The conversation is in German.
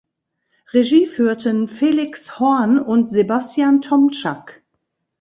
Regie führten Feliks Horn und Sebastian Tomczak.